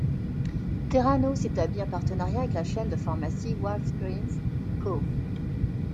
Theranos établit un partenariat avec la chaîne de pharmacies Walgreens Co.